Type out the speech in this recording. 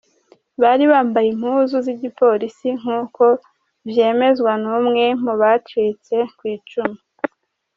''Bari bambaye impuzu z'igipolisi'' nk'uko vyemezwa n'umwe mu bacitse kw'icumu.